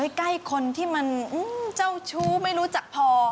ใกล้คนที่มันเจ้าชู้ไม่รู้จักพอ